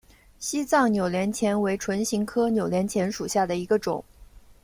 西藏扭连钱为唇形科扭连钱属下的一个种。